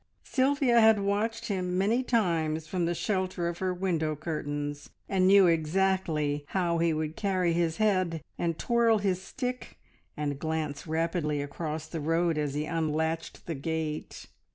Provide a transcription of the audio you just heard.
Sylvia had watched him many times from the shelter of her window curtains, and knew exactly how he would carry his head, and twirl his stick, and glance rapidly across the road as he unlatched the gate.